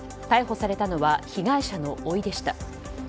逮捕されたのは被害者のおいでした。